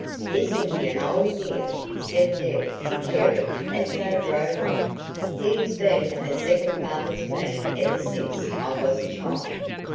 "Isn't he an old dear?" said Deb to Carey, as they drove off. "He has been a second father to me ever since I was a child."